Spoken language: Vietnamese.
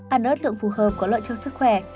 ăn ớt được phù hợp có lợi cho sức khỏe